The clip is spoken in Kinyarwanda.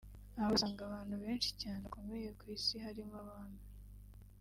“Aho usanga abantu benshi cyane bakomeye ku isi harimo abami